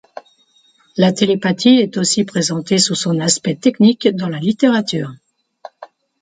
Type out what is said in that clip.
La télépathie est aussi présentée sous son aspect technique dans la littérature.